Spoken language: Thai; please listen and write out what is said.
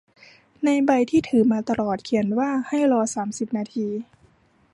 ในใบที่ถือมาตลอดเขียนว่าให้รอสามสิบนาที